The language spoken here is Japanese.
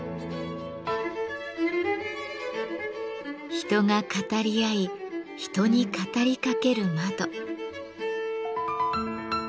人が語り合い人に語りかける窓。